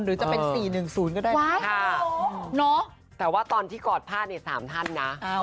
หรือจะเป็น๔๑๐ก็ได้ค่ะแต่ว่าตอนที่กอดผ้าเนี่ย๓ท่านนะ